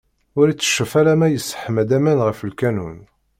Ur iteccef alamma yesseḥma-d aman ɣef lkanun.